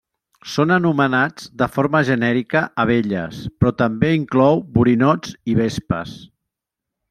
Són anomenats de forma genèrica abelles, però també inclou borinots i vespes.